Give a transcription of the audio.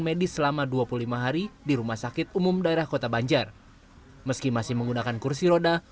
medis selama dua puluh lima hari di rumah sakit umum daerah kota banjar meski masih menggunakan kursi roda